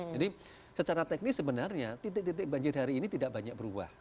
jadi secara teknis sebenarnya titik titik banjir hari ini tidak banyak berubah